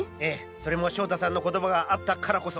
それも翔太さんの言葉があったからこそ。